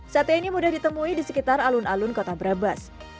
sate ini mudah ditemui di sekitar alun alun kota brebes